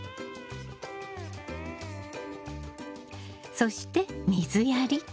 そして水やり。